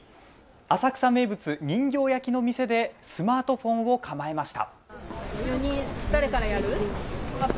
浅草名物、人形焼きの店でスマートフォンを構えました。